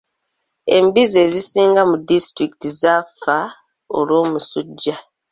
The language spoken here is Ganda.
Embizzi ezisinga mu disitulikiti zaafa olw'omusujja.